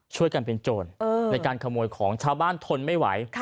ช่วยกันเป็นโจรในการขโมยของชาวบ้านทนไม่ไหว